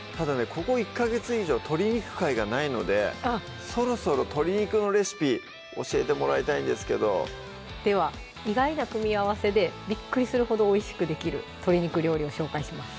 ここ１ヵ月以上鶏肉回がないのでそろそろ鶏肉のレシピ教えてもらいたいんですけどでは意外な組み合わせでびっくりするほどおいしくできる鶏肉料理を紹介します